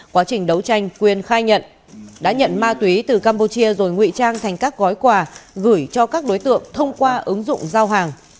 quá trình đấu tranh quyên khai nhận đã nhận ma túy từ campuchia rồi nguy trang thành các gói quà gửi cho các đối tượng thông qua ứng dụng giao hàng